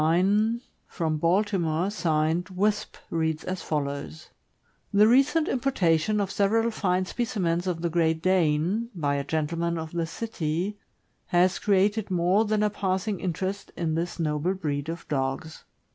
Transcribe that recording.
One in the issue of September 14, 1889, from Baltimore, signed "Wisp," reads as follows: The recent importation of several fine specimens of the Great Dane, by a gentleman of this city, has created more than a passing interest in this noble breed of dogs.